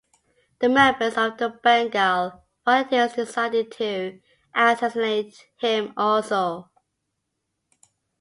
The members of the Bengal Volunteers decided to assassinate him also.